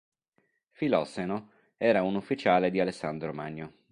Filosseno era un ufficiale di Alessandro Magno.